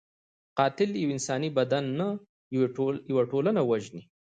قاتل یو انساني بدن نه، یو ټولنه وژني